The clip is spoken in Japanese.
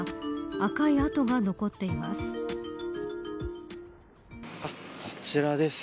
赤い跡が残っています。